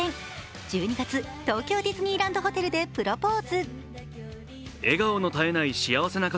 １２月、東京ディズニーランドホテルでプロポーズ。